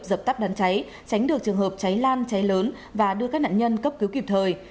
dập tắt đám cháy tránh được trường hợp cháy lan cháy lớn và đưa các nạn nhân cấp cứu kịp thời